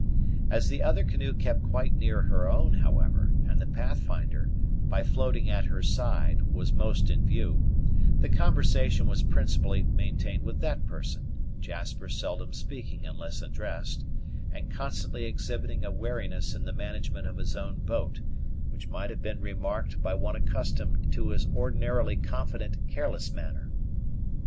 As the other canoe kept quite near her own, however, and the Pathfinder, by floating at her side, was most in view, the conversation was principally maintained with that person; Jasper seldom speaking unless addressed, and constantly exhibiting a wariness in the management of his own boat, which might have been remarked by one accustomed to his ordinarily confident, careless manner.